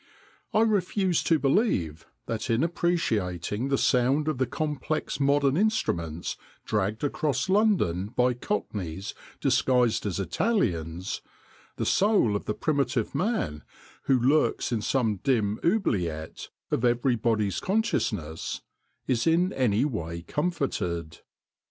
I refuse to believe that in appre ciating the sound of the complex modern instruments dragged across London by Cockneys disguised as Italians the soul of the primitive man who lurks in some dim oubliette of everybody's consciousness is in any way comforted.